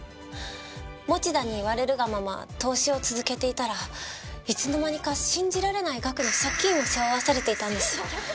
持田に言われるがまま投資を続けていたらいつの間にか信じられない額の借金を背負わされていたんです。